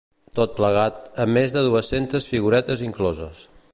Tot plegat, amb més de dues-centes figuretes incloses.